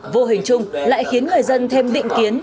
vô hình chung lại khiến người dân thêm định kiến